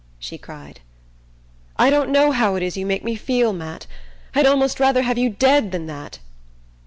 she cried. "I don't know how it is you make me feel, Matt. I'd a'most rather have you dead than that!"